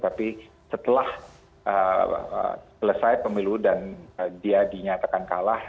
tapi setelah selesai pemilu dan dia dinyatakan kalah